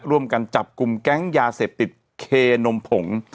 ร่วมกันจับกลุ่มแก๊งยาเสพติดเคนมผง